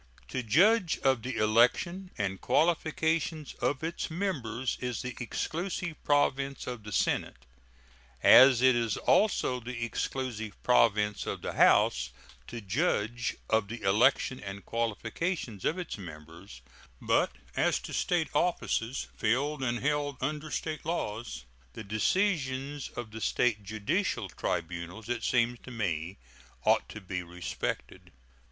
To judge of the election and qualifications of its members is the exclusive province of the Senate, as it is also the exclusive province of the House to judge of the election and qualifications of its members; but as to State offices, filled and held under State laws, the decisions of the State judicial tribunals, it seems to me, ought to be respected.